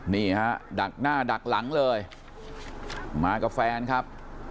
นี่ฮะดักหน้าดักหลังเลยมากับแฟนครับ